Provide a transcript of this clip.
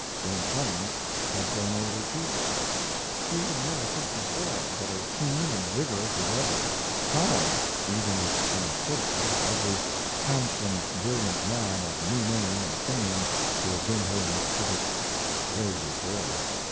Jane Clemens had grown older, too. She was nearly sixty four, but as keen and vigorous as ever proud (even if somewhat critical) of this handsome, brilliant man of new name and fame who had been her mischievous, wayward boy.